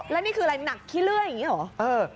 แล้วนี่คืออะไรหนักขี้เลื่อยอย่างนี้เหรอ